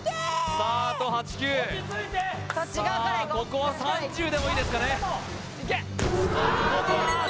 さあここは３０でもいいですかね・いけっ！